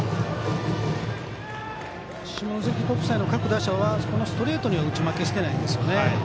下関国際の各打者はこのストレートには打ち負けしてないんですよね。